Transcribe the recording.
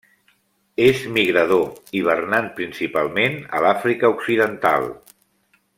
És migrador, hivernant principalment a l'Àfrica occidental.